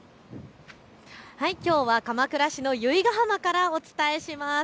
きょうは鎌倉市の由比ガ浜からお伝えします。